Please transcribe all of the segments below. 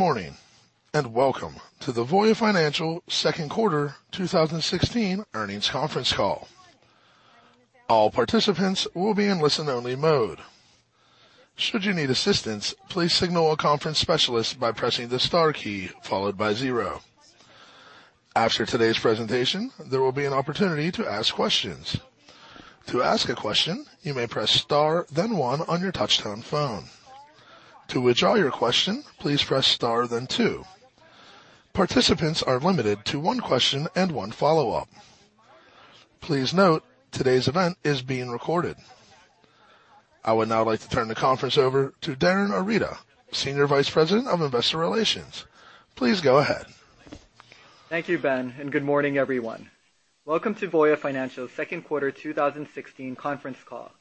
Morning, welcome to the Voya Financial second quarter 2016 earnings conference call. All participants will be in listen only mode. Should you need assistance, please signal a conference specialist by pressing the star key followed by zero. After today's presentation, there will be an opportunity to ask questions. To ask a question, you may press star then one on your touchtone phone. To withdraw your question, please press star then two. Participants are limited to one question and one follow-up. Please note, today's event is being recorded. I would now like to turn the conference over to Darin Arita, Senior Vice President of Investor Relations. Please go ahead. Thank you, Ben, good morning, everyone. Welcome to Voya Financial's second quarter 2016 conference call.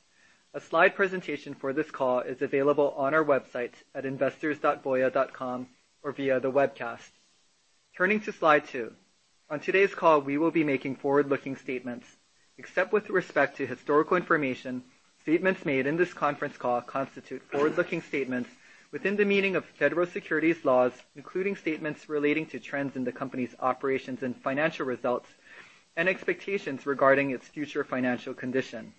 A slide presentation for this call is available on our website at investors.voya.com or via the webcast. Turning to slide two. On today's call we will be making forward-looking statements. Except with respect to historical information, statements made in this conference call constitute forward-looking statements within the meaning of federal securities laws, including statements relating to trends in the company's operations and financial results and expectations regarding its future financial condition.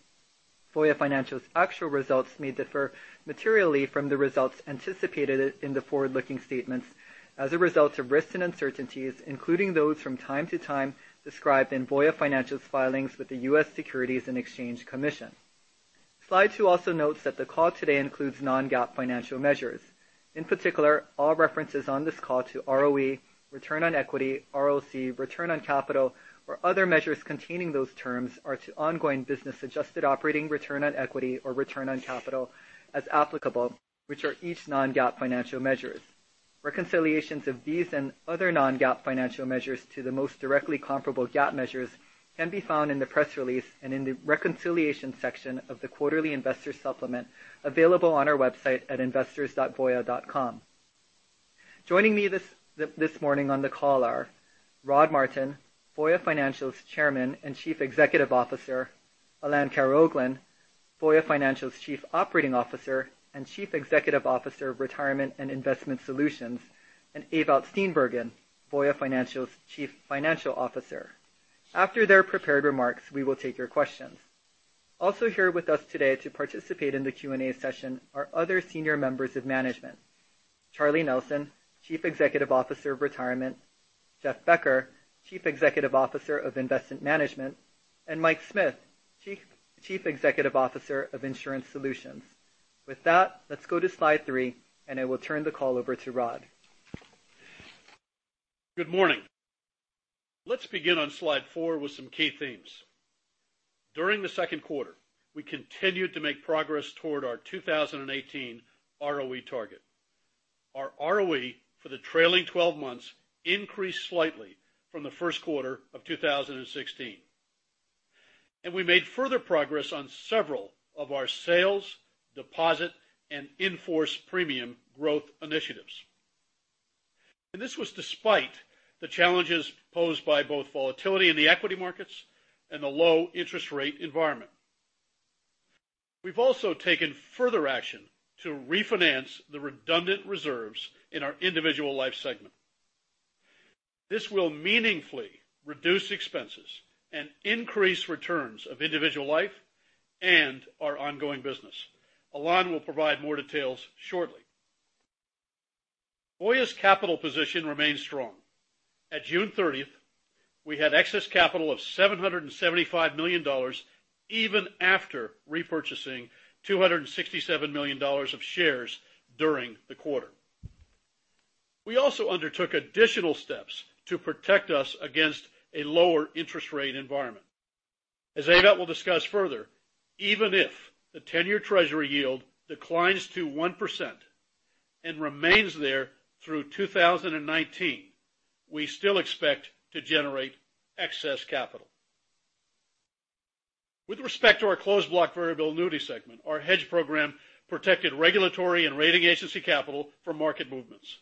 Voya Financial's actual results may differ materially from the results anticipated in the forward-looking statements as a result of risks and uncertainties, including those from time to time described in Voya Financial's filings with the U.S. Securities and Exchange Commission. Slide two also notes that the call today includes non-GAAP financial measures. In particular, all references on this call to ROE, return on equity, ROC, return on capital, or other measures containing those terms are to ongoing business adjusted operating return on equity or return on capital as applicable, which are each non-GAAP financial measures. Reconciliations of these and other non-GAAP financial measures to the most directly comparable GAAP measures can be found in the press release and in the reconciliation section of the quarterly investor supplement, available on our website at investors.voya.com. Joining me this morning on the call are Rod Martin, Voya Financial's Chairman and Chief Executive Officer, Alain Karaoglan, Voya Financial's Chief Operating Officer and Chief Executive Officer of Retirement and Investment Solutions, and Ewout Steenbergen, Voya Financial's Chief Financial Officer. After their prepared remarks, we will take your questions. Also here with us today to participate in the Q&A session are other senior members of management. Charlie Nelson, Chief Executive Officer of Retirement, Jeff Becker, Chief Executive Officer of Investment Management, and Mike Smith, Chief Executive Officer of Insurance Solutions. With that, let's go to slide three, I will turn the call over to Rod. Good morning. Let's begin on slide four with some key themes. During the second quarter, we continued to make progress toward our 2018 ROE target. Our ROE for the trailing 12 months increased slightly from the first quarter of 2016. We made further progress on several of our sales, deposit, and in-force premium growth initiatives. This was despite the challenges posed by both volatility in the equity markets and the low interest rate environment. We've also taken further action to refinance the redundant reserves in our individual life segment. This will meaningfully reduce expenses and increase returns of individual life and our ongoing business. Alain will provide more details shortly. Voya's capital position remains strong. At June 30th, we had excess capital of $775 million, even after repurchasing $267 million of shares during the quarter. We also undertook additional steps to protect us against a lower interest rate environment. As Ewout will discuss further, even if the 10-year Treasury yield declines to 1% and remains there through 2019, we still expect to generate excess capital. With respect to our closed block variable annuity segment, our hedge program protected regulatory and rating agency capital from market movements.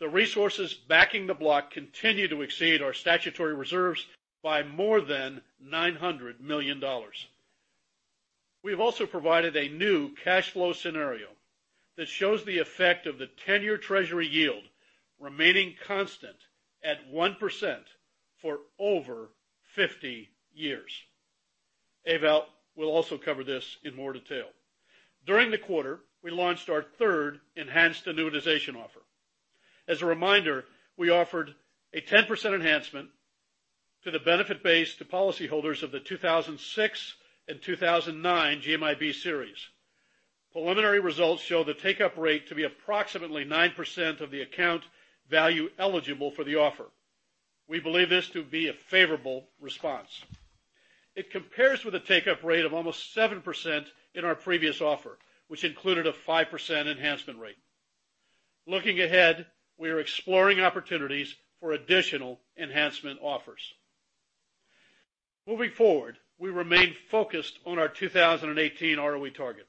The resources backing the block continue to exceed our statutory reserves by more than $900 million. We've also provided a new cash flow scenario that shows the effect of the 10-year Treasury yield remaining constant at 1% for over 50 years. Ewout will also cover this in more detail. During the quarter, we launched our third enhanced annuitization offer. As a reminder, we offered a 10% enhancement to the benefit base to policyholders of the 2006 and 2009 GMIB series. Preliminary results show the take-up rate to be approximately 9% of the account value eligible for the offer. We believe this to be a favorable response. It compares with a take-up rate of almost 7% in our previous offer, which included a 5% enhancement rate. Looking ahead, we are exploring opportunities for additional enhancement offers. Moving forward, we remain focused on our 2018 ROE target.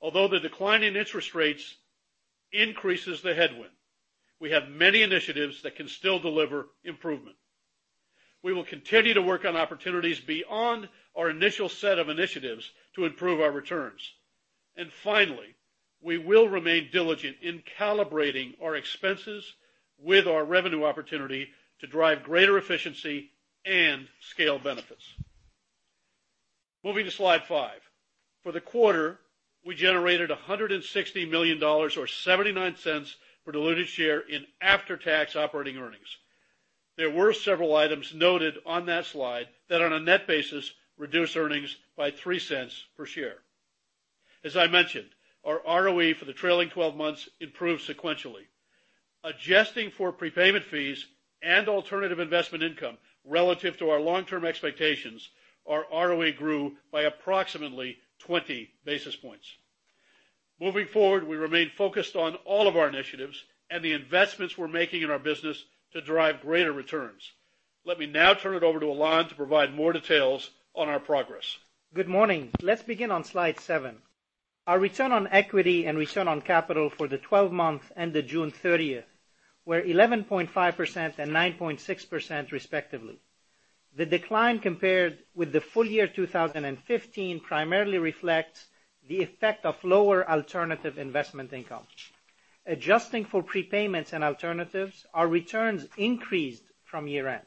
Although the decline in interest rates increases the headwind, we have many initiatives that can still deliver improvement. We will continue to work on opportunities beyond our initial set of initiatives to improve our returns. Finally, we will remain diligent in calibrating our expenses with our revenue opportunity to drive greater efficiency and scale benefits. Moving to slide five. For the quarter, we generated $160 million, or $0.79 for diluted share in after-tax operating earnings. There were several items noted on that slide that on a net basis, reduced earnings by $0.03 per share. As I mentioned, our ROE for the trailing 12 months improved sequentially. Adjusting for prepayment fees and alternative investment income relative to our long-term expectations, our ROE grew by approximately 20 basis points. Moving forward, we remain focused on all of our initiatives and the investments we're making in our business to drive greater returns. Let me now turn it over to Alain to provide more details on our progress. Good morning. Let's begin on slide seven. Our return on equity and return on capital for the 12 month ended June 30th were 11.5% and 9.6% respectively. The decline compared with the full year 2015 primarily reflects the effect of lower alternative investment income. Adjusting for prepayments and alternatives, our returns increased from year-end.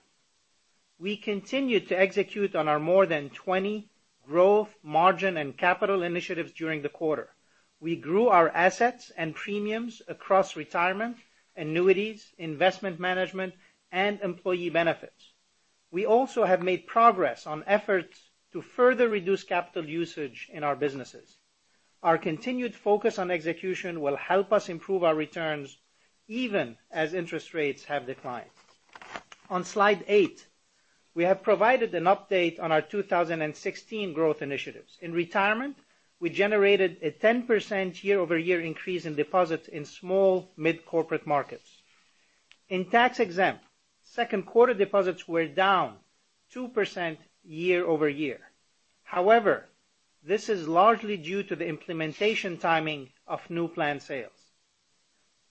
We continued to execute on our more than 20 growth margin and capital initiatives during the quarter. We grew our assets and premiums across retirement, annuities, investment management, and employee benefits. We also have made progress on efforts to further reduce capital usage in our businesses. Our continued focus on execution will help us improve our returns even as interest rates have declined. On slide eight, we have provided an update on our 2016 growth initiatives. In retirement, we generated a 10% year-over-year increase in deposits in small mid-corporate markets. In tax-exempt, second quarter deposits were down 2% year-over-year. However, this is largely due to the implementation timing of new plan sales.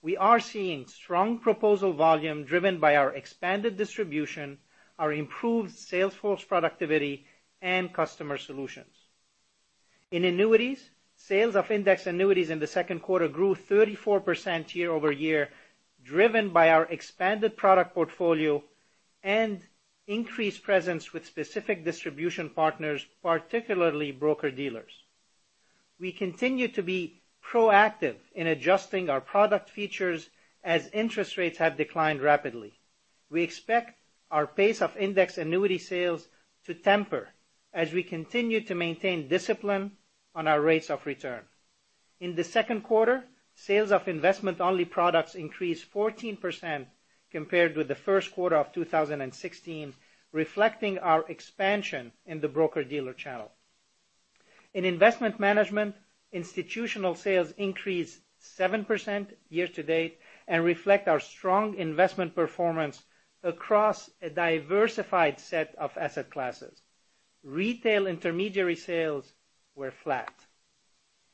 We are seeing strong proposal volume driven by our expanded distribution, our improved sales force productivity, and customer solutions. In annuities, sales of index annuities in the second quarter grew 34% year-over-year, driven by our expanded product portfolio and increased presence with specific distribution partners, particularly broker-dealers. We continue to be proactive in adjusting our product features as interest rates have declined rapidly. We expect our pace of index annuity sales to temper as we continue to maintain discipline on our rates of return. In the second quarter, sales of investment-only products increased 14% compared with the first quarter of 2016, reflecting our expansion in the broker-dealer channel. In investment management, institutional sales increased 7% year to date and reflect our strong investment performance across a diversified set of asset classes. Retail intermediary sales were flat.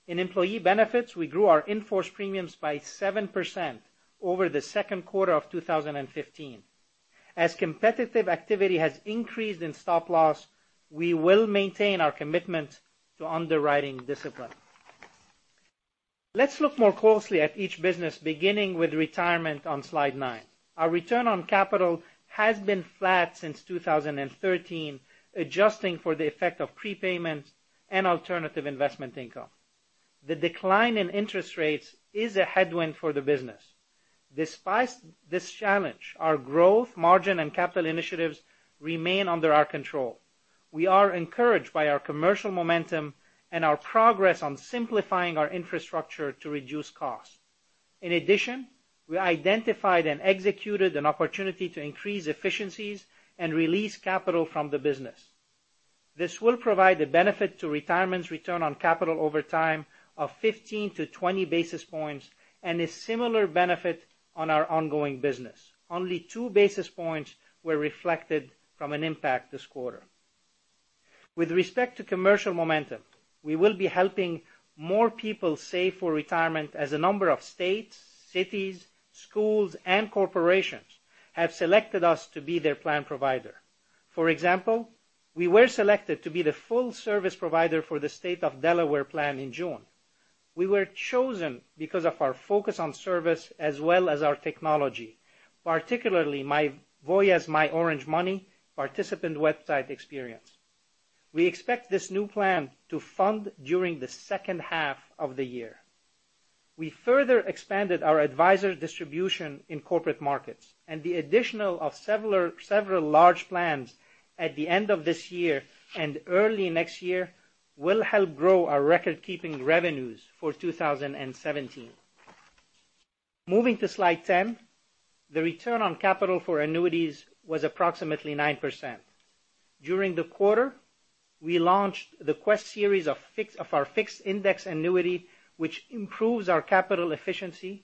In employee benefits, we grew our in-force premiums by 7% over the second quarter of 2015. As competitive activity has increased in stop loss, we will maintain our commitment to underwriting discipline. Let's look more closely at each business beginning with retirement on slide nine. Our return on capital has been flat since 2013, adjusting for the effect of prepayment and alternative investment income. The decline in interest rates is a headwind for the business. Despite this challenge, our growth, margin, and capital initiatives remain under our control. We are encouraged by our commercial momentum and our progress on simplifying our infrastructure to reduce costs. In addition, we identified and executed an opportunity to increase efficiencies and release capital from the business. This will provide the benefit to retirement's return on capital over time of 15 to 20 basis points, and a similar benefit on our ongoing business. Only two basis points were reflected from an impact this quarter. With respect to commercial momentum, we will be helping more people save for retirement as a number of states, cities, schools, and corporations have selected us to be their plan provider. For example, we were selected to be the full service provider for the State of Delaware plan in June. We were chosen because of our focus on service as well as our technology, particularly Voya's My Orange Money participant website experience. We expect this new plan to fund during the second half of the year. We further expanded our advisor distribution in corporate markets, and the addition of several large plans at the end of this year and early next year will help grow our record-keeping revenues for 2017. Moving to slide 10, the return on capital for annuities was approximately 9%. During the quarter, we launched the Quest series of our fixed indexed annuity, which improves our capital efficiency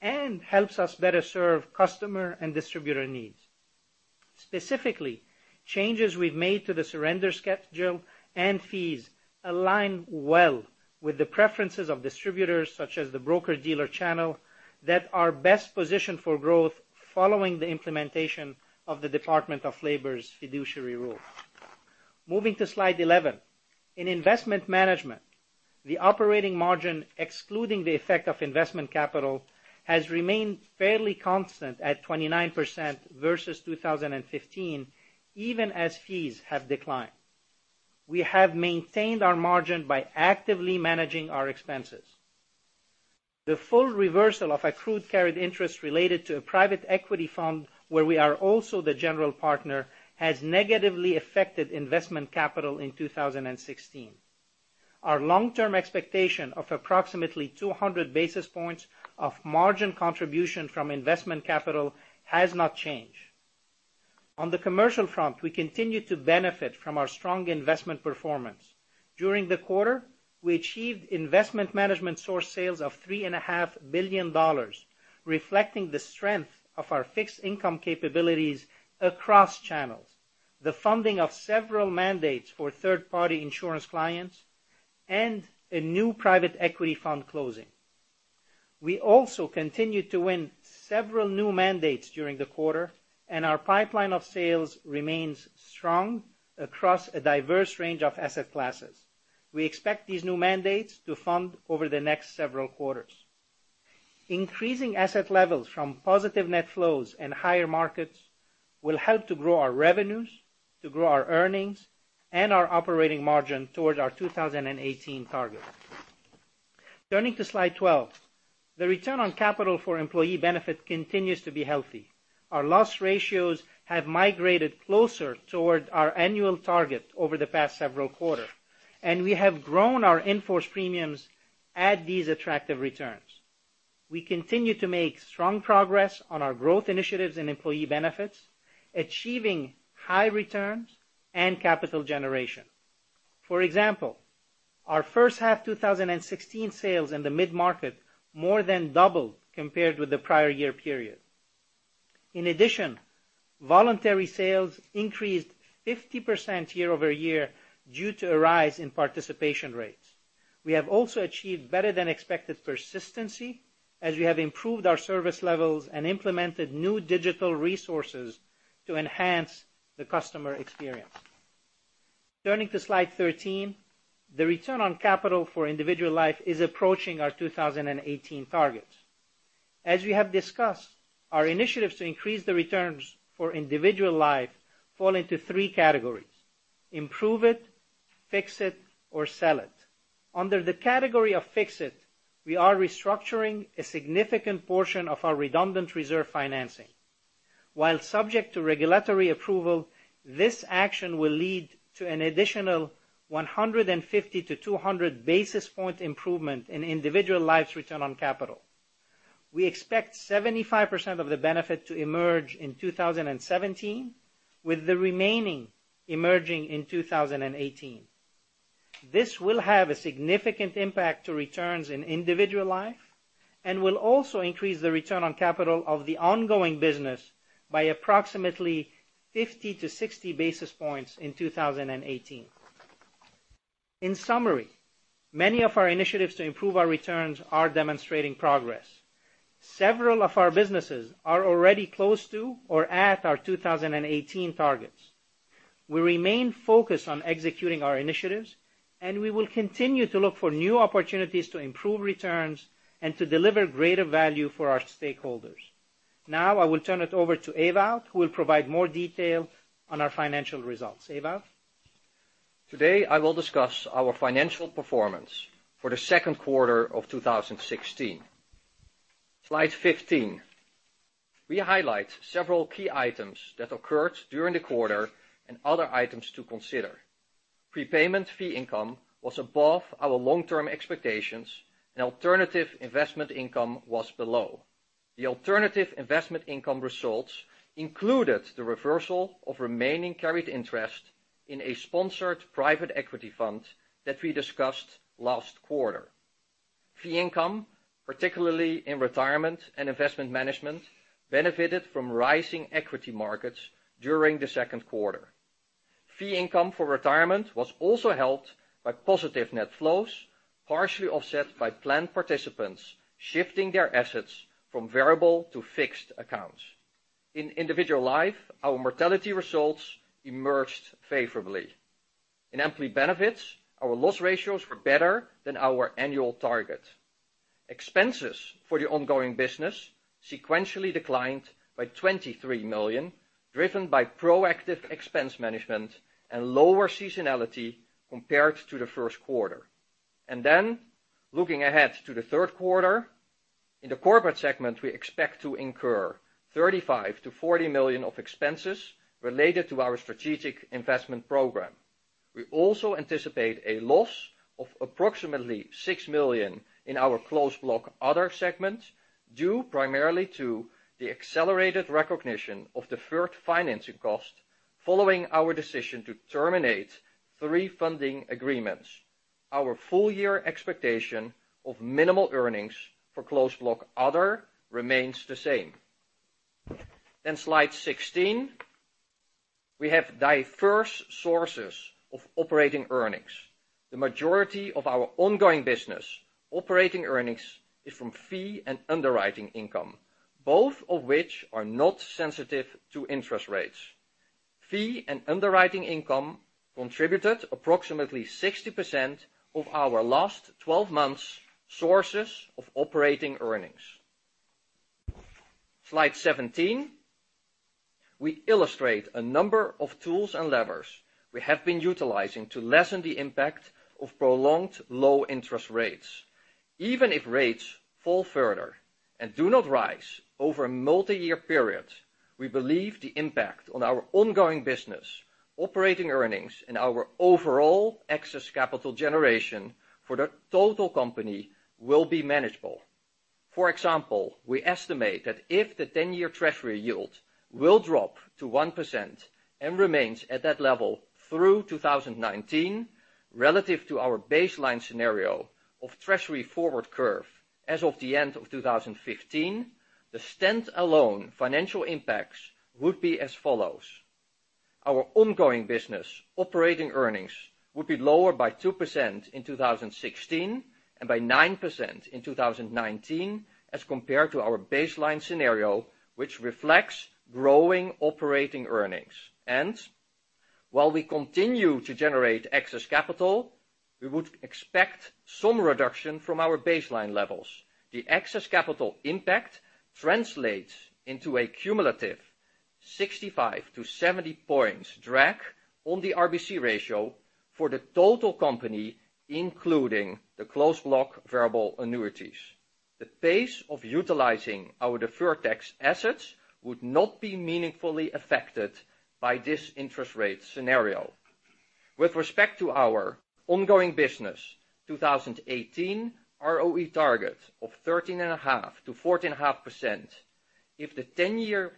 and helps us better serve customer and distributor needs. Specifically, changes we've made to the surrender schedule and fees align well with the preferences of distributors, such as the broker-dealer channel, that are best positioned for growth following the implementation of the Department of Labor's fiduciary rule. Moving to slide 11. In investment management, the operating margin, excluding the effect of investment capital, has remained fairly constant at 29% versus 2015, even as fees have declined. We have maintained our margin by actively managing our expenses. The full reversal of accrued carried interest related to a private equity fund where we are also the general partner has negatively affected investment capital in 2016. Our long-term expectation of approximately 200 basis points of margin contribution from investment capital has not changed. On the commercial front, we continue to benefit from our strong investment performance. During the quarter, we achieved investment management source sales of $3.5 billion, reflecting the strength of our fixed income capabilities across channels, the funding of several mandates for third-party insurance clients, and a new private equity fund closing. We also continued to win several new mandates during the quarter, and our pipeline of sales remains strong across a diverse range of asset classes. We expect these new mandates to fund over the next several quarters. Increasing asset levels from positive net flows and higher markets will help to grow our revenues, to grow our earnings, and our operating margin towards our 2018 target. Turning to slide 12. The return on capital for employee benefits continues to be healthy. Our loss ratios have migrated closer toward our annual target over the past several quarters, and we have grown our in-force premiums at these attractive returns. We continue to make strong progress on our growth initiatives in employee benefits, achieving high returns and capital generation. For example, our first half 2016 sales in the mid-market more than doubled compared with the prior year period. In addition, voluntary sales increased 50% year over year due to a rise in participation rates. We have also achieved better than expected persistency as we have improved our service levels and implemented new digital resources to enhance the customer experience. Turning to slide 13. The return on capital for individual life is approaching our 2018 targets. As we have discussed, our initiatives to increase the returns for individual life fall into three categories: improve it, fix it, or sell it. Under the category of fix it, we are restructuring a significant portion of our redundant reserve financing. While subject to regulatory approval, this action will lead to an additional 150 to 200 basis point improvement in individual life's return on capital. We expect 75% of the benefit to emerge in 2017, with the remaining emerging in 2018. This will have a significant impact to returns in individual life and will also increase the return on capital of the ongoing business by approximately 50 to 60 basis points in 2018. In summary, many of our initiatives to improve our returns are demonstrating progress. Several of our businesses are already close to or at our 2018 targets. We remain focused on executing our initiatives, we will continue to look for new opportunities to improve returns and to deliver greater value for our stakeholders. Now, I will turn it over to Ewout, who will provide more detail on our financial results. Ewout? Today, I will discuss our financial performance for the second quarter of 2016. Slide 15. We highlight several key items that occurred during the quarter and other items to consider. Prepayment fee income was above our long-term expectations, alternative investment income was below. The alternative investment income results included the reversal of remaining carried interest in a sponsored private equity fund that we discussed last quarter. Fee income, particularly in retirement and investment management, benefited from rising equity markets during the second quarter. Fee income for retirement was also helped by positive net flows, partially offset by plan participants shifting their assets from variable to fixed accounts. In individual life, our mortality results emerged favorably. In employee benefits, our loss ratios were better than our annual target. Expenses for the ongoing business sequentially declined by $23 million, driven by proactive expense management and lower seasonality compared to the first quarter. Looking ahead to the third quarter, in the corporate segment, we expect to incur $35 million-$40 million of expenses related to our Strategic Investment Program. We also anticipate a loss of approximately $6 million in our Closed Block Other segment, due primarily to the accelerated recognition of deferred financing cost following our decision to terminate three funding agreements. Our full year expectation of minimal earnings for Closed Block Other remains the same. Slide 16. We have diverse sources of operating earnings. The majority of our ongoing business operating earnings is from fee and underwriting income, both of which are not sensitive to interest rates. Fee and underwriting income contributed approximately 60% of our last 12 months' sources of operating earnings. Slide 17. We illustrate a number of tools and levers we have been utilizing to lessen the impact of prolonged low interest rates. Even if rates fall further and do not rise over a multi-year period, we believe the impact on our ongoing business, operating earnings, and our overall excess capital generation for the total company will be manageable. For example, we estimate that if the 10-year Treasury yield will drop to 1% and remains at that level through 2019, relative to our baseline scenario of Treasury forward curve as of the end of 2015, the standalone financial impacts would be as follows. Our ongoing business operating earnings would be lower by 2% in 2016 and by 9% in 2019 as compared to our baseline scenario, which reflects growing operating earnings. While we continue to generate excess capital, we would expect some reduction from our baseline levels. The excess capital impact translates into a cumulative 65-70 points drag on the RBC ratio for the total company, including the closed block variable annuities. The pace of utilizing our deferred tax assets would not be meaningfully affected by this interest rate scenario. With respect to our ongoing business 2018 ROE target of 13.5%-14.5%, if the 10-year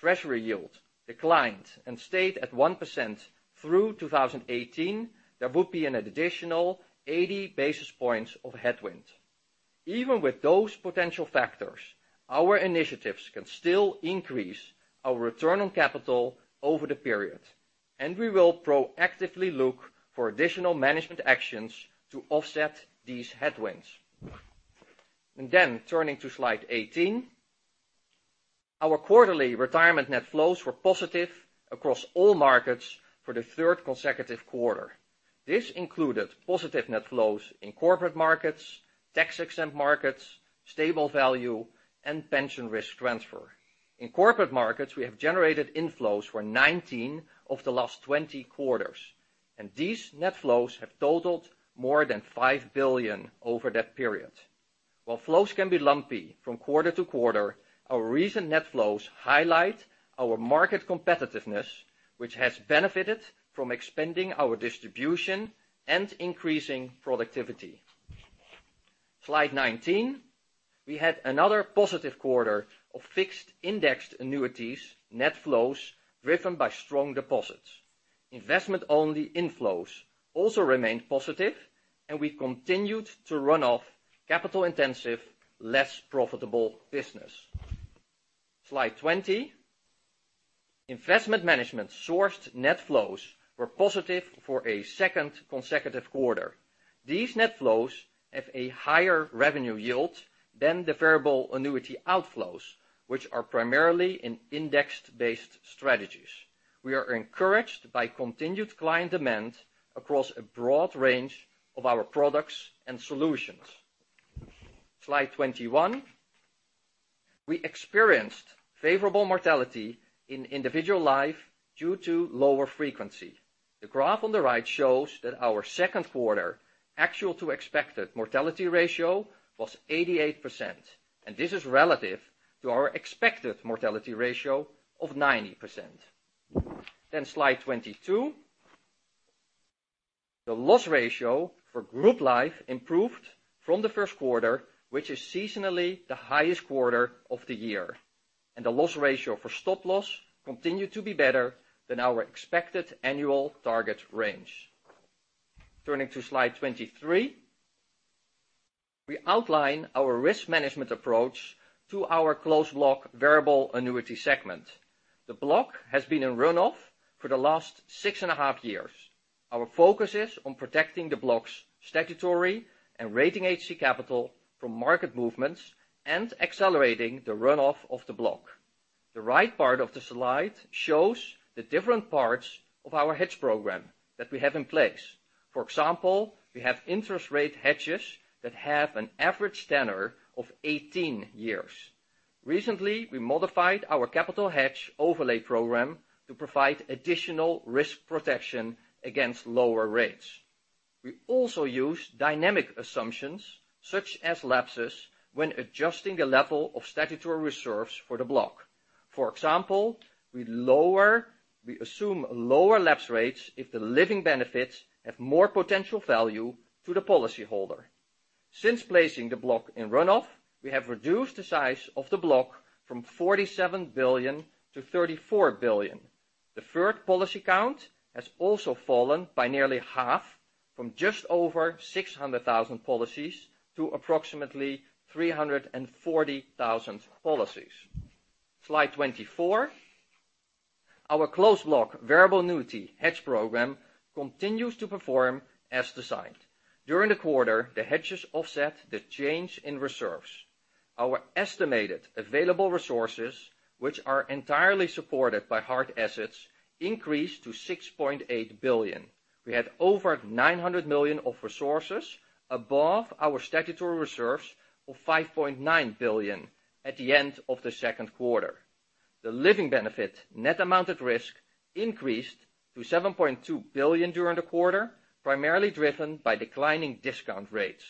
Treasury yield declined and stayed at 1% through 2018, there would be an additional 80 basis points of headwind. Even with those potential factors, our initiatives can still increase our return on capital over the period, and we will proactively look for additional management actions to offset these headwinds. Turning to slide 18, our quarterly retirement net flows were positive across all markets for the third consecutive quarter. This included positive net flows in corporate markets, tax-exempt markets, stable value, and pension risk transfer. In corporate markets, we have generated inflows for 19 of the last 20 quarters, and these net flows have totaled more than $5 billion over that period. While flows can be lumpy from quarter to quarter, our recent net flows highlight our market competitiveness, which has benefited from expanding our distribution and increasing productivity. Slide 19, we had another positive quarter of fixed indexed annuities net flows driven by strong deposits. Investment-only inflows also remained positive, and we continued to run off capital-intensive, less profitable business. Slide 20, investment management sourced net flows were positive for a second consecutive quarter. These net flows have a higher revenue yield than the variable annuity outflows, which are primarily in index-based strategies. We are encouraged by continued client demand across a broad range of our products and solutions. Slide 21. We experienced favorable mortality in individual life due to lower frequency. The graph on the right shows that our second quarter actual to expected mortality ratio was 88%, and this is relative to our expected mortality ratio of 90%. Slide 22, the loss ratio for group life improved from the first quarter, which is seasonally the highest quarter of the year, and the loss ratio for stop loss continued to be better than our expected annual target range. Turning to slide 23, we outline our risk management approach to our closed block variable annuity segment. The block has been in run-off for the last six and a half years. Our focus is on protecting the block's statutory and rating agency capital from market movements and accelerating the run-off of the block. The right part of the slide shows the different parts of our hedge program that we have in place. For example, we have interest rate hedges that have an average tenor of 18 years. Recently, we modified our capital hedge overlay program to provide additional risk protection against lower rates. We also use dynamic assumptions such as lapses when adjusting the level of statutory reserves for the block. For example, we assume lower lapse rates if the living benefits have more potential value to the policyholder. Since placing the block in run-off, we have reduced the size of the block from $47 billion to $34 billion. The third policy count has also fallen by nearly half from just over 600,000 policies to approximately 340,000 policies. Slide 24. Our closed block variable annuity hedge program continues to perform as designed. During the quarter, the hedges offset the change in reserves. Our estimated available resources, which are entirely supported by hard assets, increased to $6.8 billion. We had over $900 million of resources above our statutory reserves of $5.9 billion at the end of the second quarter. The living benefit net amount at risk increased to $7.2 billion during the quarter, primarily driven by declining discount rates.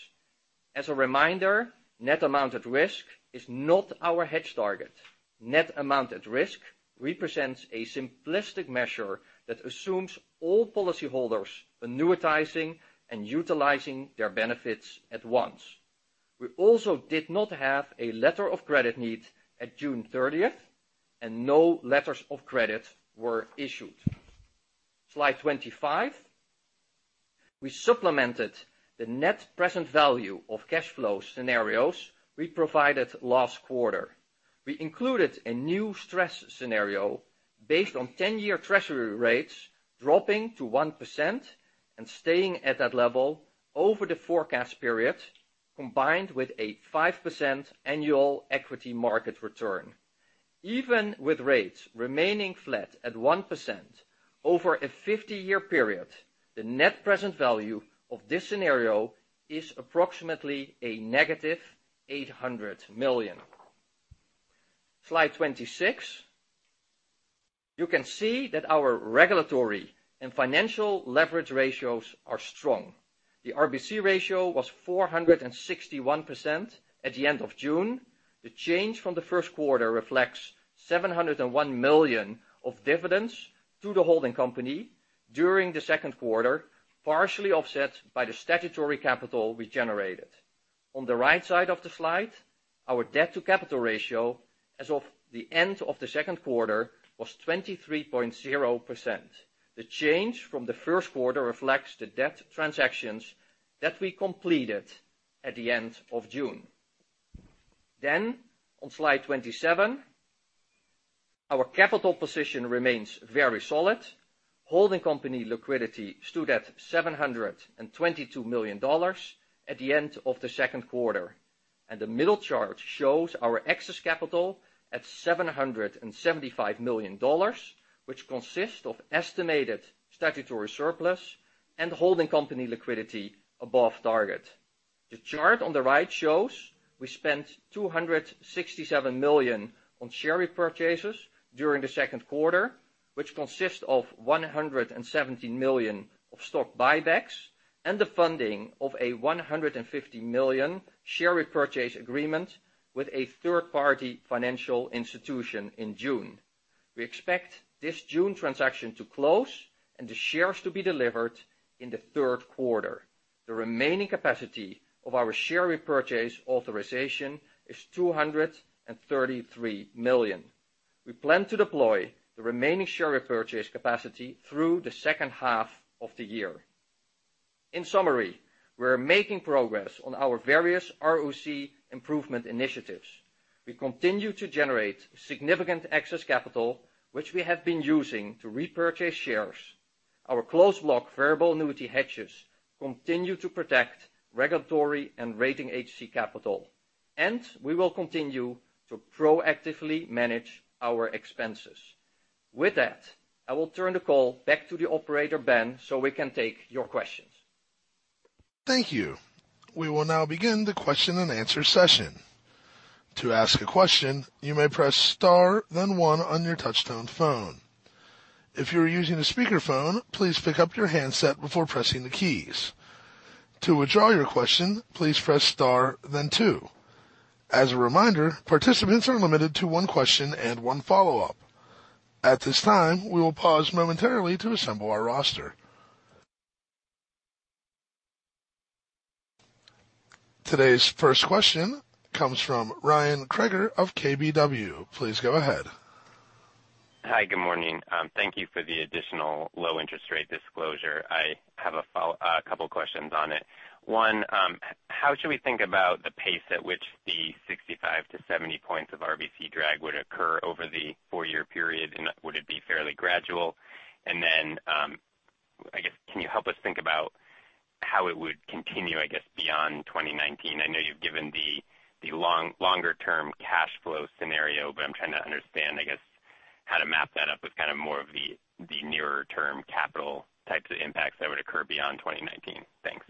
As a reminder, net amount at risk is not our hedge target. Net amount at risk represents a simplistic measure that assumes all policyholders annuitizing and utilizing their benefits at once. We also did not have a letter of credit need at June 30th, and no letters of credit were issued. Slide 25. We supplemented the net present value of cash flow scenarios we provided last quarter. We included a new stress scenario based on 10-year Treasury rates dropping to 1% and staying at that level over the forecast period, combined with a 5% annual equity market return. Even with rates remaining flat at 1% over a 50-year period, the net present value of this scenario is approximately a negative $800 million. Slide 26. You can see that our regulatory and financial leverage ratios are strong. The RBC ratio was 461% at the end of June. The change from the first quarter reflects $701 million of dividends to the holding company during the second quarter, partially offset by the statutory capital we generated. On the right side of the slide, our debt to capital ratio as of the end of the second quarter was 23.0%. The change from the first quarter reflects the debt transactions that we completed at the end of June. On slide 27, our capital position remains very solid. Holding company liquidity stood at $722 million at the end of the second quarter, and the middle chart shows our excess capital at $775 million, which consists of estimated statutory surplus and holding company liquidity above target. The chart on the right shows we spent $267 million on share repurchases during the second quarter, which consists of $117 million of stock buybacks and the funding of a $150 million share repurchase agreement with a third-party financial institution in June. We expect this June transaction to close and the shares to be delivered in the third quarter. The remaining capacity of our share repurchase authorization is $233 million. We plan to deploy the remaining share repurchase capacity through the second half of the year. In summary, we're making progress on our various ROC improvement initiatives. We continue to generate significant excess capital, which we have been using to repurchase shares. Our closed block variable annuity hedges continue to protect regulatory and rating agency capital. We will continue to proactively manage our expenses. With that, I will turn the call back to the operator, Ben, we can take your questions. Thank you. We will now begin the question and answer session. To ask a question, you may press star then one on your touchtone phone. If you are using a speakerphone, please pick up your handset before pressing the keys. To withdraw your question, please press star then two. As a reminder, participants are limited to one question and one follow-up. At this time, we will pause momentarily to assemble our roster. Today's first question comes from Ryan Krueger of KBW. Please go ahead. Hi. Good morning. Thank you for the additional low interest rate disclosure. I have a couple questions on it. One, how should we think about the pace at which the 65 to 70 points of RBC drag would occur over the four-year period? Would it be fairly gradual? Can you help us think about how it would continue beyond 2019? I know you've given the longer-term cash flow scenario, I'm trying to understand how to map that up with more of the nearer term capital types of impacts that would occur beyond 2019. Thanks.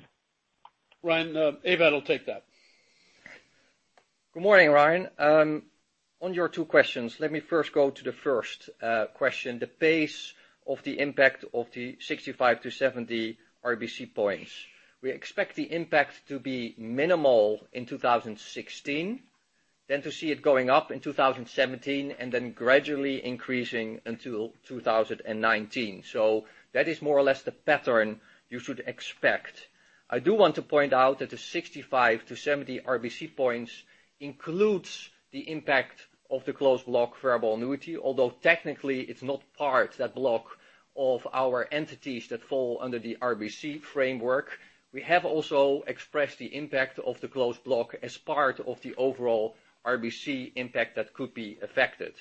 Ryan, Ewout will take that. Good morning, Ryan. On your two questions, let me first go to the first question, the pace of the impact of the 65 to 70 RBC points. We expect the impact to be minimal in 2016. To see it going up in 2017, gradually increasing until 2019. That is more or less the pattern you should expect. I do want to point out that the 65 to 70 RBC points includes the impact of the closed block variable annuity, although technically it's not part, that block, of our entities that fall under the RBC framework. We have also expressed the impact of the closed block as part of the overall RBC impact that could be affected.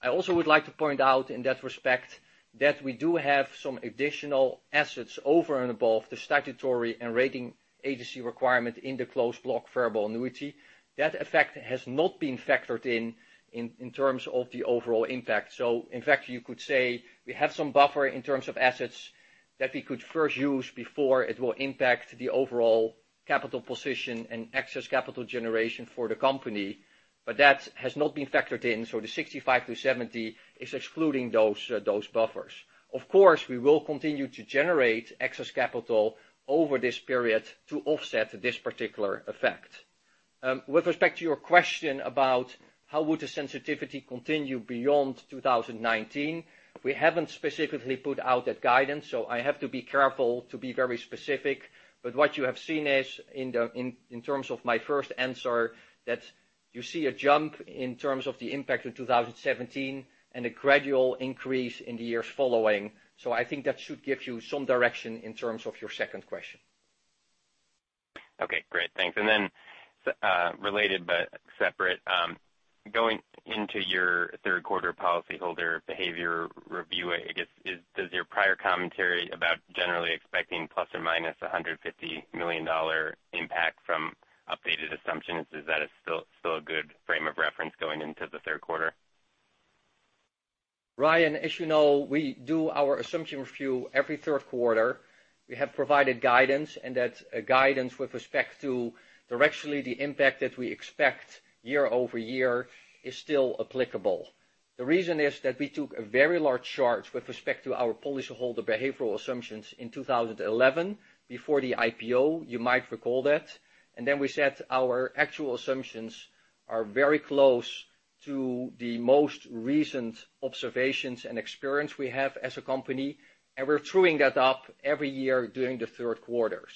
I also would like to point out in that respect, that we do have some additional assets over and above the statutory and rating agency requirement in the closed block variable annuity. That effect has not been factored in terms of the overall impact. In fact, you could say we have some buffer in terms of assets that we could first use before it will impact the overall capital position and excess capital generation for the company. That has not been factored in, the 65 to 70 is excluding those buffers. Of course, we will continue to generate excess capital over this period to offset this particular effect. With respect to your question about how would the sensitivity continue beyond 2019, we haven't specifically put out that guidance, I have to be careful to be very specific. What you have seen is, in terms of my first answer, that you see a jump in terms of the impact of 2017 and a gradual increase in the years following. I think that should give you some direction in terms of your second question. Okay, great. Thanks. Then, related but separate, going into your third quarter policyholder behavior review, I guess, does your prior commentary about generally expecting ±$150 million impact from updated assumptions, is that still a good frame of reference going into the third quarter? Ryan, as you know, we do our assumption review every third quarter. We have provided guidance, and that guidance with respect to directionally the impact that we expect year-over-year is still applicable. The reason is that we took a very large charge with respect to our policyholder behavioral assumptions in 2011, before the IPO. You might recall that. Then we said our actual assumptions are very close to the most recent observations and experience we have as a company, and we're true-ing that up every year during the third quarter.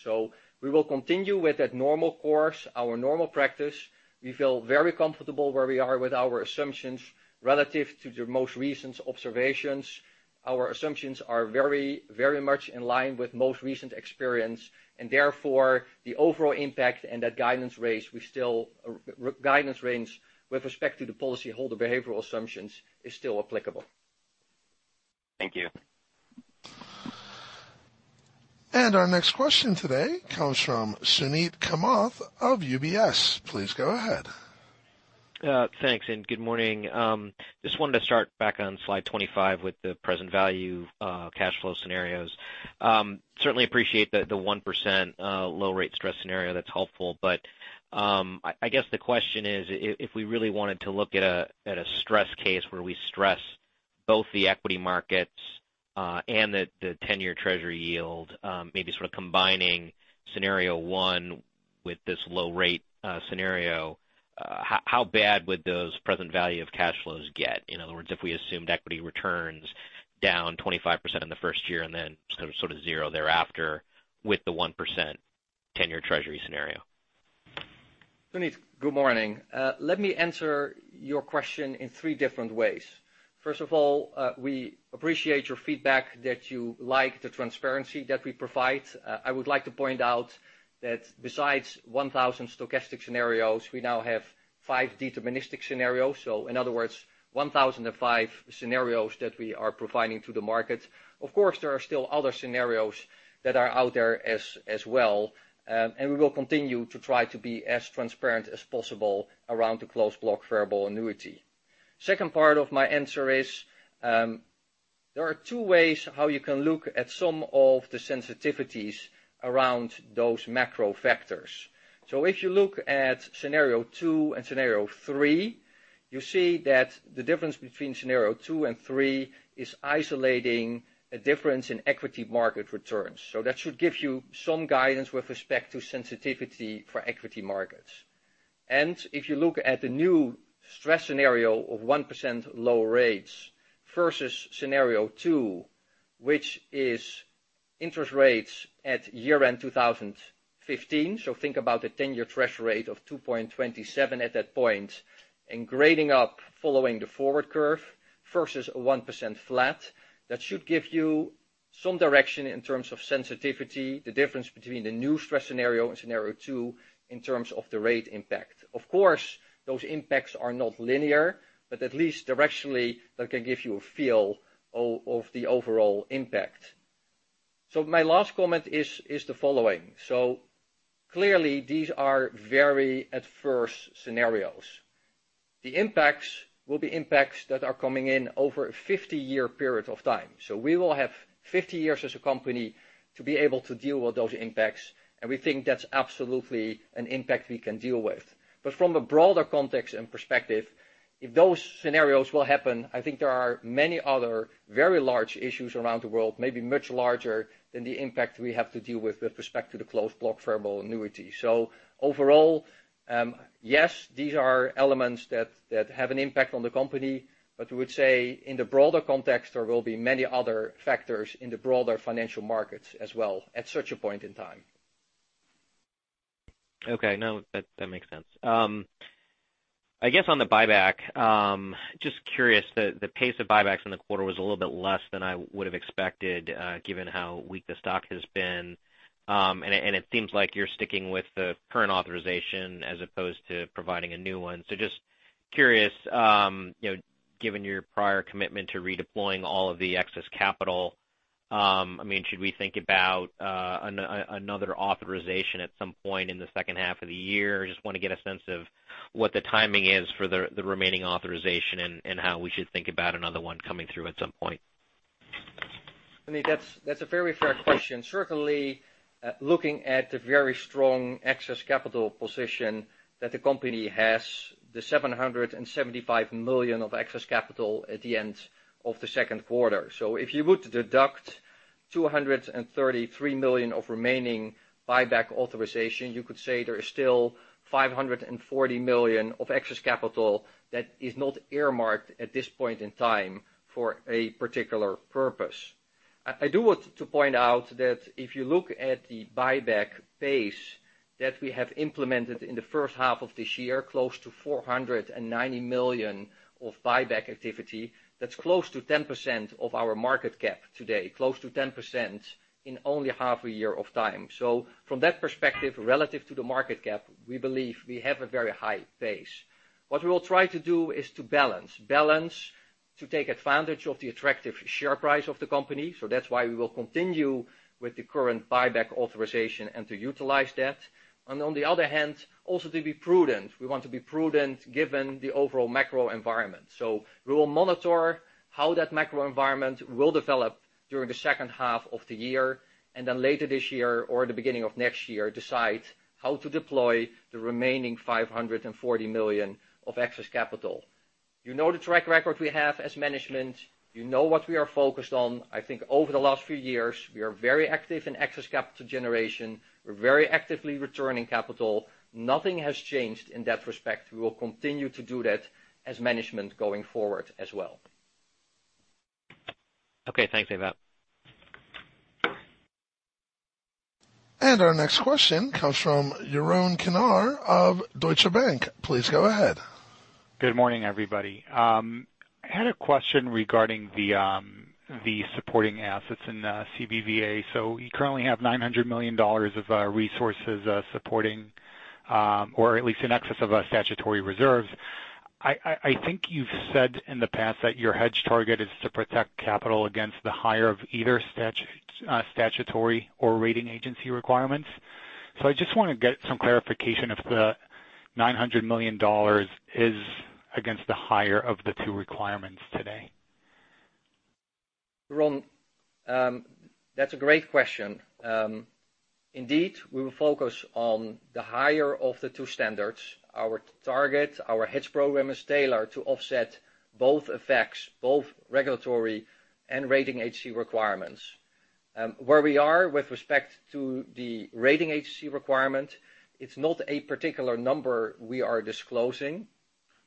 We will continue with that normal course, our normal practice. We feel very comfortable where we are with our assumptions relative to the most recent observations. Our assumptions are very much in line with most recent experience, and therefore, the overall impact and that guidance range with respect to the policyholder behavioral assumptions is still applicable. Thank you. Our next question today comes from Suneet Kamath of UBS. Please go ahead. Thanks, and good morning. Just wanted to start back on slide 25 with the present value cash flow scenarios. Certainly appreciate the 1% low rate stress scenario. That's helpful. I guess the question is, if we really wanted to look at a stress case where we stress both the equity markets, and the 10-year Treasury yield, maybe sort of combining scenario one with this low rate scenario, how bad would those present value of cash flows get? In other words, if we assumed equity returns down 25% in the first year and then sort of zero thereafter with the 1% 10-year Treasury scenario. Suneet, good morning. Let me answer your question in three different ways. First of all, we appreciate your feedback that you like the transparency that we provide. I would like to point out that besides 1,000 stochastic scenarios, we now have five deterministic scenarios. In other words, 1,005 scenarios that we are providing to the market. Of course, there are still other scenarios that are out there as well. We will continue to try to be as transparent as possible around the closed block variable annuity. Second part of my answer is, there are two ways how you can look at some of the sensitivities around those macro factors. If you look at scenario two and scenario three, you see that the difference between scenario two and three is isolating a difference in equity market returns. That should give you some guidance with respect to sensitivity for equity markets. If you look at the new stress scenario of 1% low rates versus scenario two, which is interest rates at year-end 2015, think about the 10-year Treasury rate of 2.27 at that point, and grading up following the forward curve versus a 1% flat. That should give you some direction in terms of sensitivity, the difference between the new stress scenario and scenario two in terms of the rate impact. Of course, those impacts are not linear, but at least directionally, that can give you a feel of the overall impact. My last comment is the following. Clearly these are very adverse scenarios. The impacts will be impacts that are coming in over a 50-year period of time. We will have 50 years as a company to be able to deal with those impacts, and we think that's absolutely an impact we can deal with. But from a broader context and perspective, if those scenarios will happen, I think there are many other very large issues around the world, maybe much larger than the impact we have to deal with respect to the closed block variable annuity. Overall, yes, these are elements that have an impact on the company, but we would say in the broader context, there will be many other factors in the broader financial markets as well at such a point in time. Okay. No, that makes sense. I guess on the buyback, just curious, the pace of buybacks in the quarter was a little bit less than I would've expected, given how weak the stock has been. It seems like you're sticking with the current authorization as opposed to providing a new one. Just curious, given your prior commitment to redeploying all of the excess capital, should we think about another authorization at some point in the second half of the year? Just want to get a sense of what the timing is for the remaining authorization and how we should think about another one coming through at some point. I think that's a very fair question. Certainly, looking at the very strong excess capital position that the company has, the $775 million of excess capital at the end of the second quarter. If you were to deduct $233 million of remaining buyback authorization, you could say there is still $540 million of excess capital that is not earmarked at this point in time for a particular purpose. I do want to point out that if you look at the buyback pace that we have implemented in the first half of this year, close to $490 million of buyback activity, that's close to 10% of our market cap today. Close to 10% in only half a year of time. From that perspective, relative to the market cap, we believe we have a very high pace. What we will try to do is to balance. Balance to take advantage of the attractive share price of the company. That's why we will continue with the current buyback authorization and to utilize that. On the other hand, also to be prudent. We want to be prudent given the overall macro environment. We will monitor how that macro environment will develop during the second half of the year, and then later this year or the beginning of next year, decide how to deploy the remaining $540 million of excess capital. You know the track record we have as management. You know what we are focused on. I think over the last few years, we are very active in excess capital generation. We're very actively returning capital. Nothing has changed in that respect. We will continue to do that as management going forward as well. Okay. Thanks, Ewout. Our next question comes from Yaron Kinar of Deutsche Bank. Please go ahead. Good morning, everybody. I had a question regarding the supporting assets in CBVA. You currently have $900 million of resources supporting, or at least in excess of statutory reserves. I think you've said in the past that your hedge target is to protect capital against the higher of either statutory or rating agency requirements. I just want to get some clarification if the $900 million is against the higher of the two requirements today. Yaron, that's a great question. Indeed, we will focus on the higher of the two standards. Our target, our hedge program, is tailored to offset both effects, both regulatory and rating agency requirements. Where we are with respect to the rating agency requirement, it's not a particular number we are disclosing,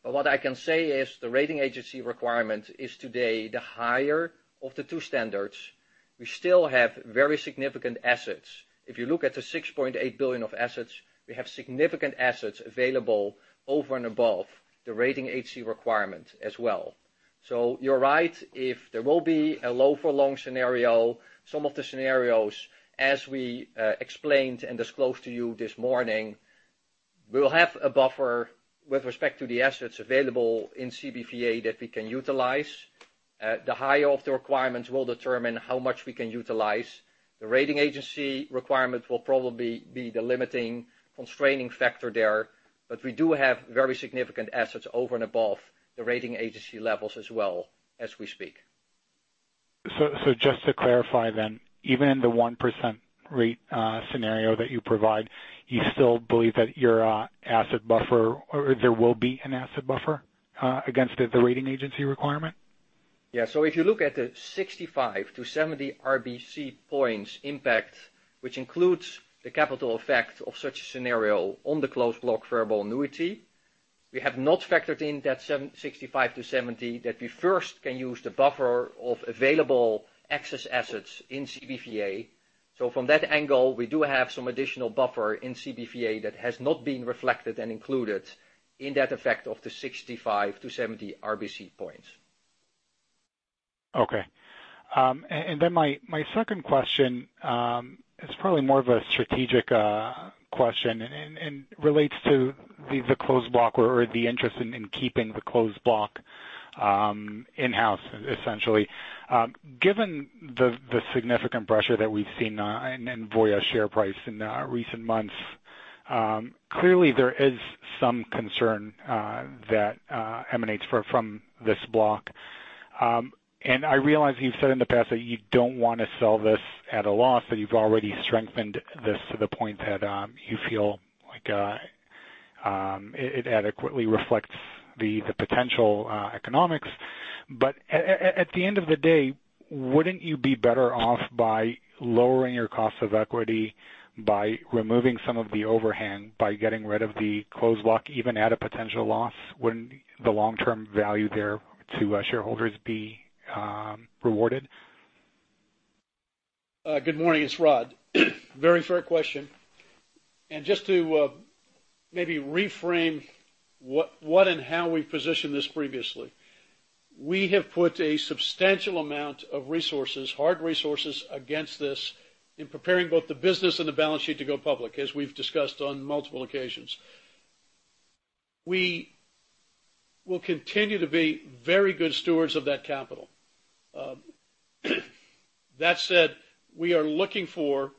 but what I can say is the rating agency requirement is today the higher of the two standards. We still have very significant assets. If you look at the $6.8 billion of assets, we have significant assets available over and above the rating agency requirement as well. You're right, if there will be a low for long scenario, some of the scenarios as we explained and disclosed to you this morning, we'll have a buffer with respect to the assets available in CBVA that we can utilize. The higher of the requirements will determine how much we can utilize. The rating agency requirement will probably be the limiting constraining factor there, but we do have very significant assets over and above the rating agency levels as well as we speak. Just to clarify then, even in the 1% rate scenario that you provide, you still believe that your asset buffer, or there will be an asset buffer against the rating agency requirement? Yeah. If you look at the 65 to 70 RBC points impact, which includes the capital effect of such a scenario on the closed block variable annuity, we have not factored in that 65 to 70 that we first can use the buffer of available excess assets in CBVA. From that angle, we do have some additional buffer in CBVA that has not been reflected and included in that effect of the 65 to 70 RBC points. My second question, it's probably more of a strategic question and relates to the closed block or the interest in keeping the closed block in-house, essentially. Given the significant pressure that we've seen in Voya share price in recent months, clearly there is some concern that emanates from this block. I realize you've said in the past that you don't want to sell this at a loss, that you've already strengthened this to the point that you feel like it adequately reflects the potential economics. At the end of the day, wouldn't you be better off by lowering your cost of equity by removing some of the overhang, by getting rid of the closed block, even at a potential loss? Wouldn't the long-term value there to shareholders be rewarded? Good morning, it's Rod. Very fair question. Just to maybe reframe what and how we positioned this previously. We have put a substantial amount of resources, hard resources, against this in preparing both the business and the balance sheet to go public, as we've discussed on multiple occasions. We will continue to be very good stewards of that capital. That said, we are looking for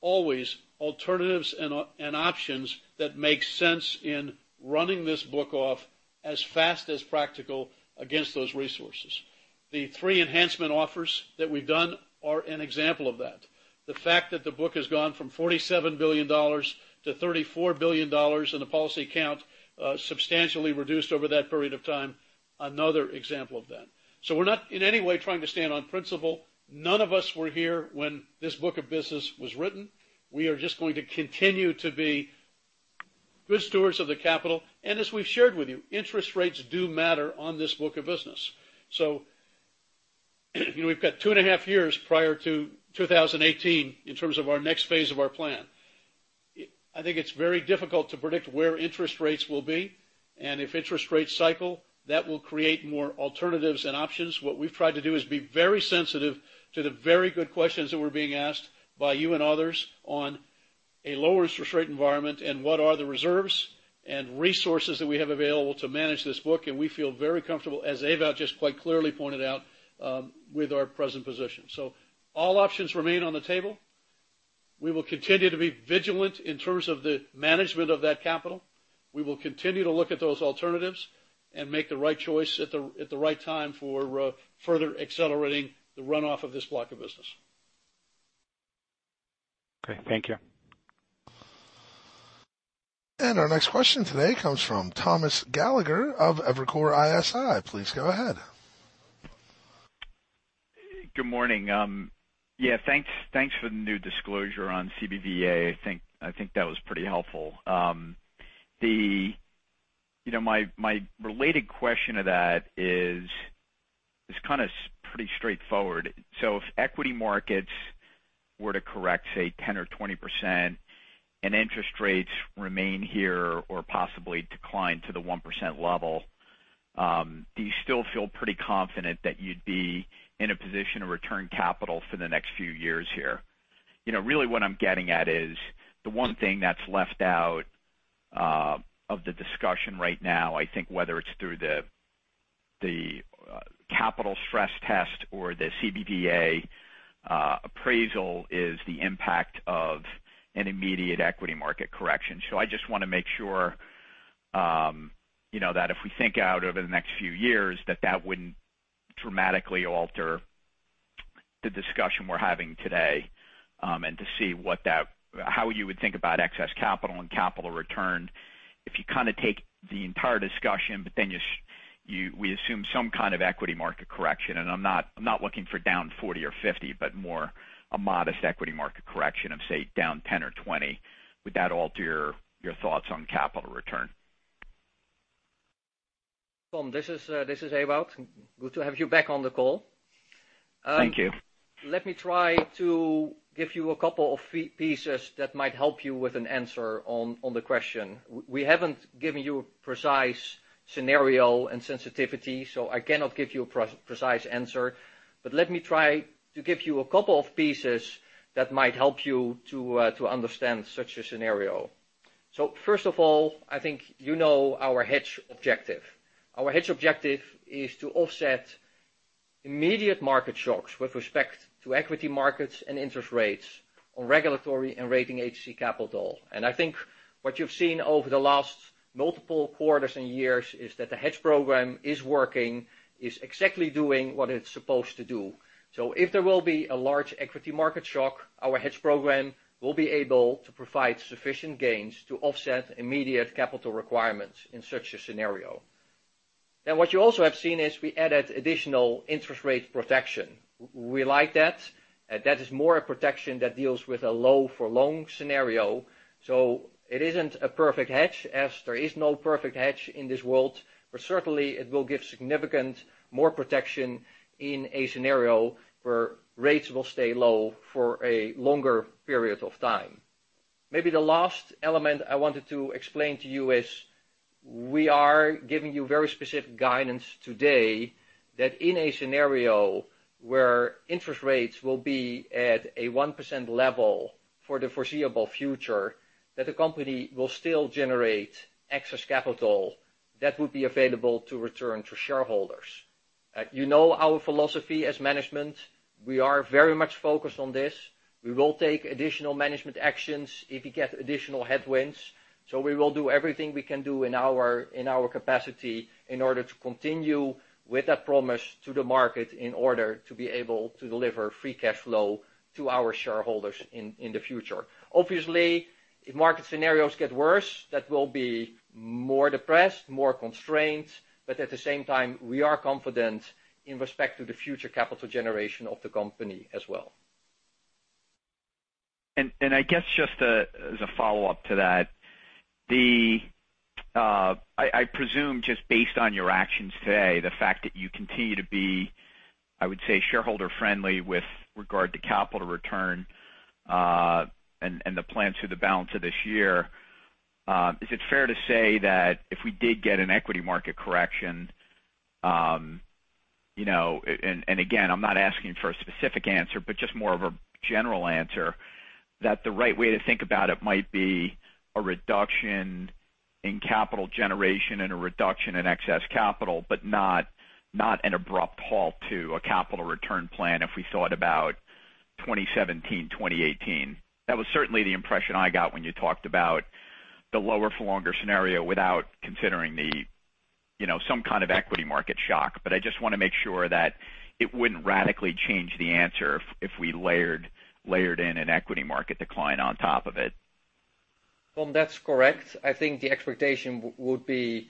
always alternatives and options that make sense in running this book off as fast as practical against those resources. The three enhancement offers that we've done are an example of that. The fact that the book has gone from $47 billion to $34 billion in the policy account, substantially reduced over that period of time, another example of that. We're not in any way trying to stand on principle. None of us were here when this book of business was written. We are just going to continue to be good stewards of the capital. As we've shared with you, interest rates do matter on this book of business. We've got two and a half years prior to 2018 in terms of our next phase of our plan. I think it's very difficult to predict where interest rates will be, and if interest rates cycle, that will create more alternatives and options. What we've tried to do is be very sensitive to the very good questions that we're being asked by you and others on a lower interest rate environment and what are the reserves and resources that we have available to manage this book, and we feel very comfortable, as Ewout just quite clearly pointed out, with our present position. All options remain on the table. We will continue to be vigilant in terms of the management of that capital. We will continue to look at those alternatives and make the right choice at the right time for further accelerating the runoff of this block of business. Okay. Thank you. Our next question today comes from Thomas Gallagher of Evercore ISI. Please go ahead. Good morning. Yeah, thanks for the new disclosure on CBVA. I think that was pretty helpful. My related question to that is kind of pretty straightforward. If equity markets were to correct, say, 10%-20%, and interest rates remain here or possibly decline to the 1% level, do you still feel pretty confident that you'd be in a position to return capital for the next few years here? Really what I'm getting at is the one thing that's left out of the discussion right now, I think whether it's through the capital stress test or the CBVA appraisal, is the impact of an immediate equity market correction. I just want to make sure that if we think out over the next few years, that that wouldn't dramatically alter the discussion we're having today, and to see how you would think about excess capital and capital return if you take the entire discussion, but then we assume some kind of equity market correction. I'm not looking for down 40-50, but more a modest equity market correction of, say, down 10-20. Would that alter your thoughts on capital return? Thomas, this is Ewout. Good to have you back on the call. Thank you. Let me try to give you a couple of pieces that might help you with an answer on the question. We haven't given you a precise scenario and sensitivity, so I cannot give you a precise answer. Let me try to give you a couple of pieces that might help you to understand such a scenario. First of all, I think you know our hedge objective. Our hedge objective is to offset immediate market shocks with respect to equity markets and interest rates on regulatory and rating agency capital. I think what you've seen over the last multiple quarters and years is that the hedge program is working, is exactly doing what it's supposed to do. If there will be a large equity market shock, our hedge program will be able to provide sufficient gains to offset immediate capital requirements in such a scenario. What you also have seen is we added additional interest rate protection. We like that. That is more a protection that deals with a low for long scenario. It isn't a perfect hedge, as there is no perfect hedge in this world. Certainly, it will give significant more protection in a scenario where rates will stay low for a longer period of time. Maybe the last element I wanted to explain to you is we are giving you very specific guidance today that in a scenario where interest rates will be at a 1% level for the foreseeable future, that the company will still generate excess capital that would be available to return to shareholders. You know our philosophy as management. We are very much focused on this. We will take additional management actions if we get additional headwinds. We will do everything we can do in our capacity in order to continue with that promise to the market in order to be able to deliver free cash flow to our shareholders in the future. Obviously, if market scenarios get worse, that will be more depressed, more constrained. At the same time, we are confident in respect to the future capital generation of the company as well. I guess just as a follow-up to that, I presume just based on your actions today, the fact that you continue to be, I would say, shareholder friendly with regard to capital return, and the plan through the balance of this year, is it fair to say that if we did get an equity market correction, and again, I'm not asking for a specific answer, but just more of a general answer, that the right way to think about it might be a reduction in capital generation and a reduction in excess capital, but not an abrupt halt to a capital return plan if we thought about 2017, 2018? That was certainly the impression I got when you talked about the lower for longer scenario without considering some kind of equity market shock. I just want to make sure that it wouldn't radically change the answer if we layered in an equity market decline on top of it. Tom, that's correct. I think the expectation would be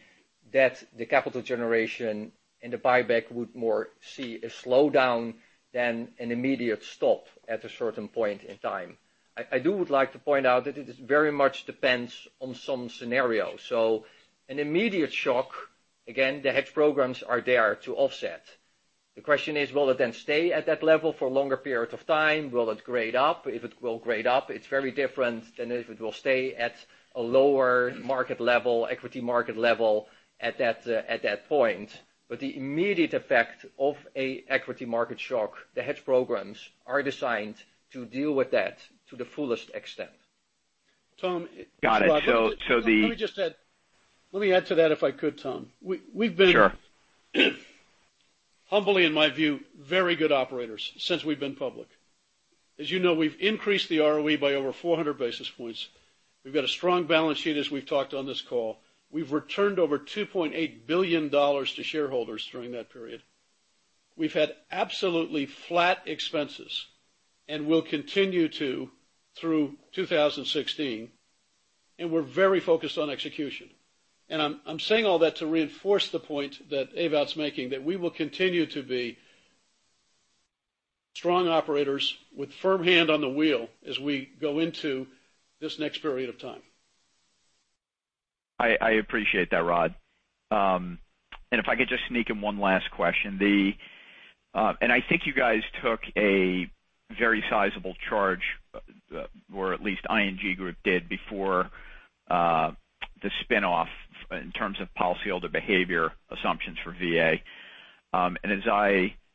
that the capital generation and the buyback would more see a slowdown than an immediate stop at a certain point in time. I would like to point out that it very much depends on some scenario. An immediate shock, again, the hedge programs are there to offset. The question is, will it then stay at that level for a longer period of time? Will it grade up? If it will grade up, it's very different than if it will stay at a lower equity market level at that point. The immediate effect of an equity market shock, the hedge programs are designed to deal with that to the fullest extent. Tom. Got it. the- Let me add to that if I could, Tom. Sure. We've been, humbly in my view, very good operators since we've been public. As you know, we've increased the ROE by over 400 basis points. We've got a strong balance sheet as we've talked on this call. We've returned over $2.8 billion to shareholders during that period. We've had absolutely flat expenses, will continue to through 2016, and we're very focused on execution. I'm saying all that to reinforce the point that Ewout's making, that we will continue to be strong operators with firm hand on the wheel as we go into this next period of time. I appreciate that, Rod. if I could just sneak in one last question. I think you guys took a very sizable charge, or at least ING Group did before the spin-off in terms of policyholder behavior assumptions for VA.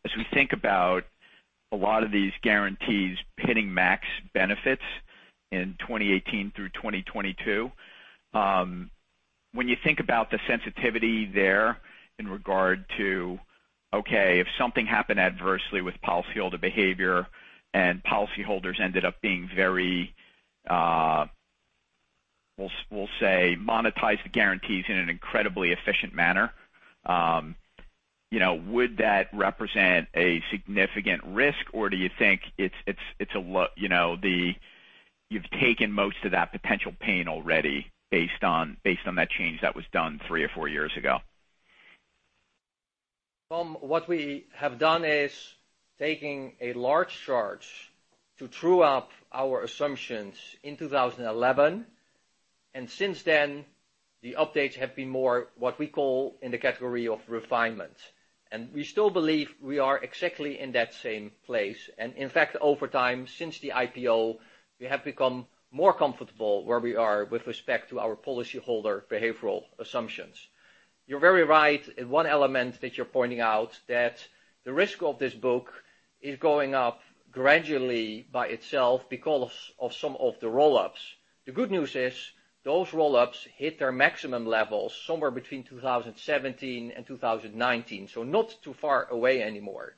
As we think about a lot of these guarantees hitting max benefits in 2018 through 2022. When you think about the sensitivity there in regard to, okay, if something happened adversely with policyholder behavior and policyholders ended up being very, we'll say, monetize the guarantees in an incredibly efficient manner, would that represent a significant risk or do you think you've taken most of that potential pain already based on that change that was done three or four years ago? Tom, what we have done is taking a large charge to true up our assumptions in 2011, and since then, the updates have been more what we call in the category of refinement. And we still believe we are exactly in that same place. And in fact, over time, since the IPO, we have become more comfortable where we are with respect to our policyholder behavioral assumptions. You're very right in one element that you're pointing out that the risk of this book is going up gradually by itself because of some of the roll-ups. The good news is those roll-ups hit their maximum levels somewhere between 2017 and 2019, so not too far away anymore.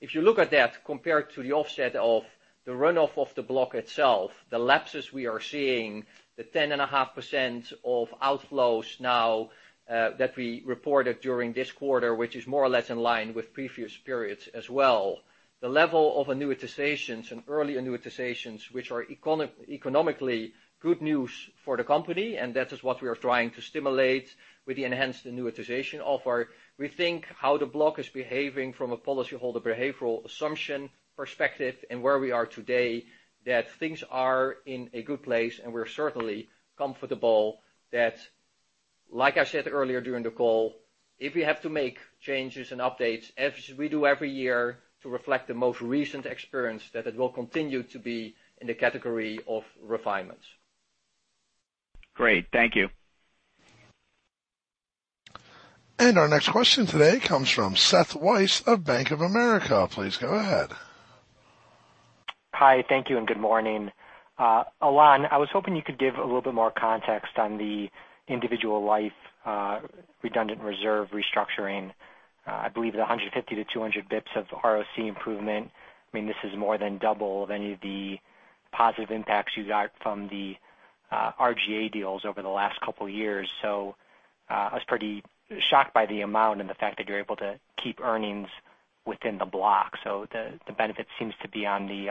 if you look at that compared to the offset of the runoff of the block itself, the lapses we are seeing, the 10.5% of outflows now that we reported during this quarter, which is more or less in line with previous periods as well. The level of annuitizations and early annuitizations, which are economically good news for the company, and that is what we are trying to stimulate with the enhanced annuitization offer. We think how the block is behaving from a policyholder behavioral assumption perspective and where we are today, that things are in a good place, and we're certainly comfortable that, like I said earlier during the call, if we have to make changes and updates as we do every year to reflect the most recent experience, that it will continue to be in the category of refinements. Great. Thank you. Our next question today comes from Seth Weiss of Bank of America. Please go ahead. Hi. Thank you and good morning. Alain, I was hoping you could give a little bit more context on the individual life redundant reserve restructuring. I believe the 150 to 200 basis points of ROC improvement. I mean, this is more than double of any of the positive impacts you got from the RGA deals over the last couple of years. I was pretty shocked by the amount and the fact that you're able to keep earnings within the block. The benefit seems to be on the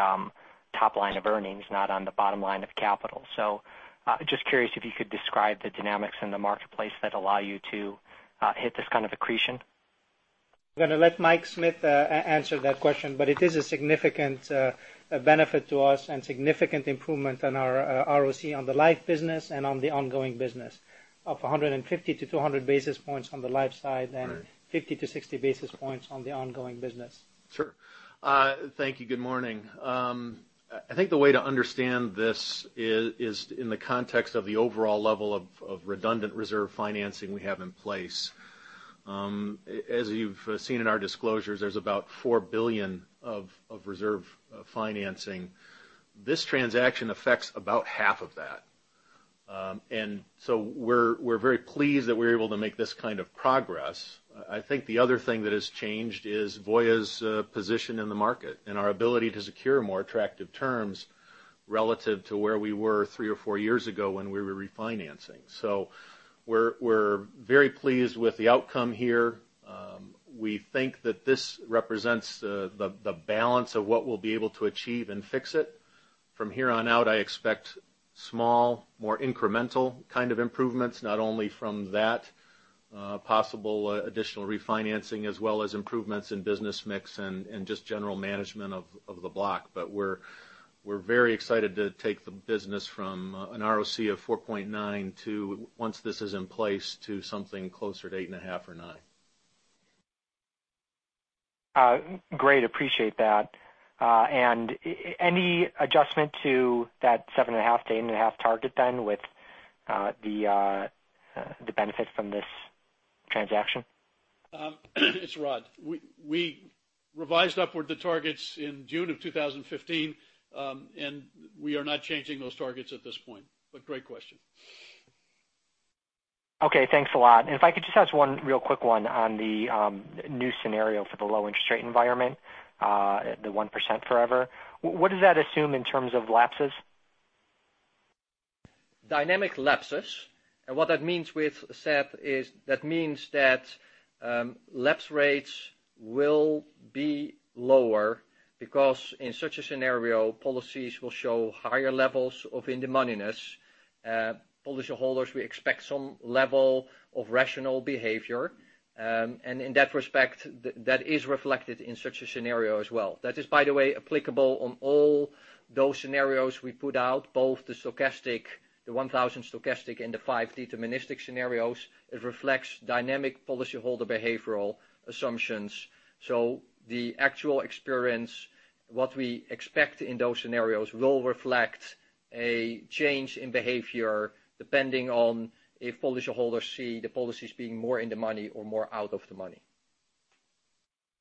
top line of earnings, not on the bottom line of capital. Just curious if you could describe the dynamics in the marketplace that allow you to hit this kind of accretion. I'm going to let Michael Smith answer that question, but it is a significant benefit to us and significant improvement on our ROC on the life business and on the ongoing business. Of 150 to 200 basis points on the life side, and 50 to 60 basis points on the ongoing business. Sure. Thank you. Good morning. I think the way to understand this is in the context of the overall level of redundant reserve financing we have in place. As you've seen in our disclosures, there's about $4 billion of reserve financing. This transaction affects about half of that. We're very pleased that we're able to make this kind of progress. I think the other thing that has changed is Voya's position in the market and our ability to secure more attractive terms relative to where we were three or four years ago when we were refinancing. We're very pleased with the outcome here. We think that this represents the balance of what we'll be able to achieve and fix it. From here on out, I expect small, more incremental kind of improvements, not only from that possible additional refinancing, as well as improvements in business mix and just general management of the block. We're very excited to take the business from an ROC of 4.9 to, once this is in place, to something closer to 8.5 or 9. Great. Appreciate that. any adjustment to that 7.5-8.5 target then with the benefit from this transaction? It's Rod. We revised upward the targets in June of 2015. We are not changing those targets at this point. Great question. Okay, thanks a lot. If I could just ask one real quick one on the new scenario for the low interest rate environment, the 1% forever. What does that assume in terms of lapses? Dynamic lapses. What that means with Seth is, that means that lapse rates will be lower because in such a scenario, policies will show higher levels of in-the-moneyness. Policyholders, we expect some level of rational behavior. In that respect, that is reflected in such a scenario as well. That is, by the way, applicable on all those scenarios we put out, both the stochastic, the 1,000 stochastic, and the five deterministic scenarios. It reflects dynamic policyholder behavioral assumptions. The actual experience, what we expect in those scenarios will reflect a change in behavior depending on if policyholders see the policies being more in-the-money or more out-of-the-money.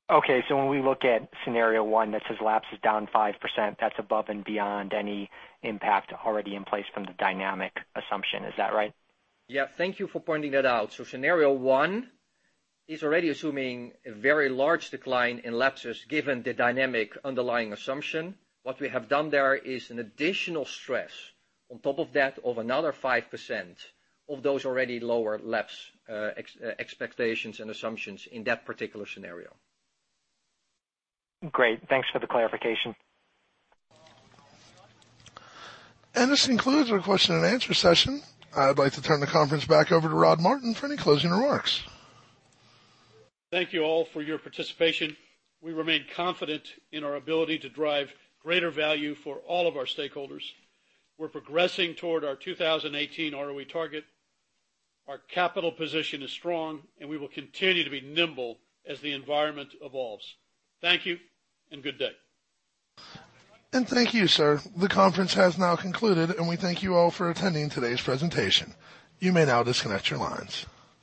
Okay. When we look at scenario one that says lapse is down 5%, that's above and beyond any impact already in place from the dynamic assumption. Is that right? Yeah, thank you for pointing that out. Scenario one is already assuming a very large decline in lapses given the dynamic underlying assumption. What we have done there is an additional stress on top of that, of another 5% of those already lower lapse expectations and assumptions in that particular scenario. Great. Thanks for the clarification. This concludes our question and answer session. I'd like to turn the conference back over to Rod Martin for any closing remarks. Thank you all for your participation. We remain confident in our ability to drive greater value for all of our stakeholders. We're progressing toward our 2018 ROE target. Our capital position is strong, and we will continue to be nimble as the environment evolves. Thank you, and good day. Thank you, sir. The conference has now concluded, and we thank you all for attending today's presentation. You may now disconnect your lines.